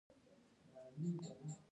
ایا د کورنۍ غړي مو روغ دي؟